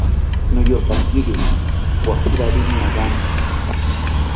Niyotakiri wakirari ñaagantzi